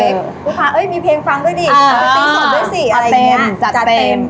ก็พามีเพลงฟังด้วยดิติดสนด้วยสิอะไรอย่างนี้